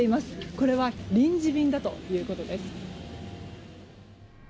これは臨時便だということです。